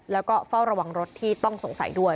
แล้วก็เฝ้าระวังรถที่ต้องสงสัยด้วย